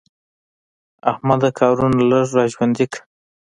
احمده کارونه لږ را ژوندي کړه.